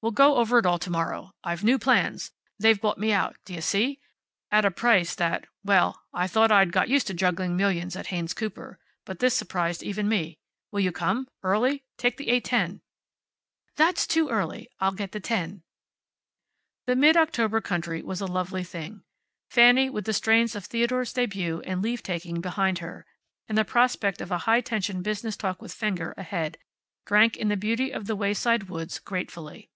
We'll go over it all to morrow. I've new plans. They've bought me out. D'you see? At a price that well, I thought I'd got used to juggling millions at Haynes Cooper. But this surprised even me. Will you come? Early? Take the eight ten." "That's too early. I'll get the ten." The mid October country was a lovely thing. Fanny, with the strain of Theodore's debut and leave taking behind her, and the prospect of a high tension business talk with Fenger ahead, drank in the beauty of the wayside woods gratefully.